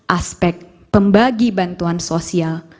aspek pembagi bantuan sosial